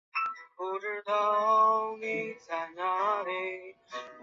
葡萄牙本土或葡萄牙大陆上部分的通称。